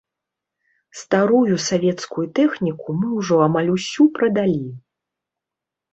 Старую савецкую тэхніку мы ўжо амаль усю прадалі.